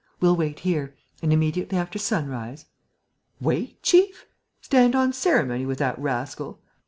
We'll wait here; and, immediately after sunrise...." "Wait, chief? Stand on ceremony with that rascal?